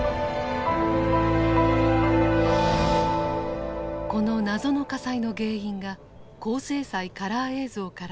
この謎の火災の原因が高精細カラー映像から浮かび上がった。